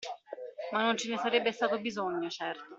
Ma non ce ne sarebbe stato bisogno, certo.